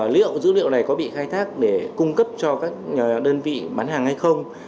liệu dữ liệu này có bị khai thác để cung cấp cho các đơn vị bán hàng hay không